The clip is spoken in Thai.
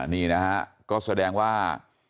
นี่นะฮะก็แสดงว่า